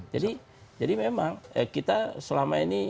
jadi memang kita selama ini